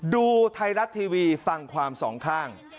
ดูไทยรัฐทีวีฟังความสองข้าง